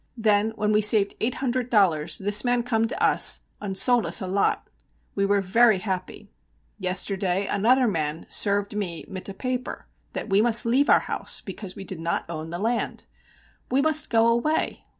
Then when we saved eight hundred dollars this man come to us und sold us a lot. We were very happy. Yesterday anoder man served me mit a paper that we must leave our house, because we did not own the land! We must go away!